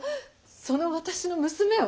その私の娘を！？